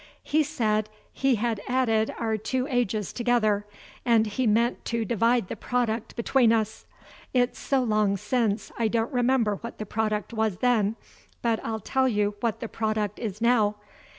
"He said he had added our two ages together, and he meant to divide the product between us. It's so long since, I don't remember what the product was then. But I'll tell you what the product is now.